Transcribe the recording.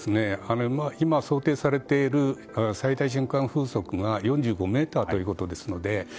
今、想定されている最大瞬間風速が４５メーターということですので。